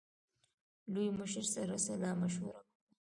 لوی مشر سره سلا مشوره وکړه.